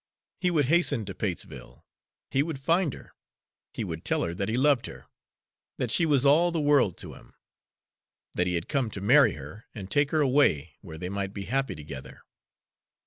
He would hasten to Patesville. He would find her; he would tell her that he loved her, that she was all the world to him, that he had come to marry her, and take her away where they might be happy together.